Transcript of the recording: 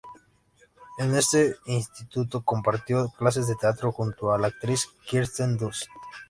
En este instituto compartió clases de teatro junto a la actriz Kirsten Dunst.